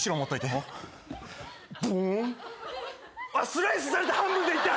スライスされた半分でいった。